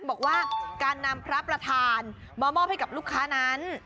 บอกว่าการนำพระประธานมามอบให้กับลูกค้านั้น